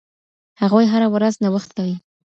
هغوی هره ورځ نوښت کوي.